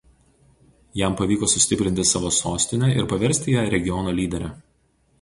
Jam pavyko sustiprinti savo sostinę ir paversti ją regiono lydere.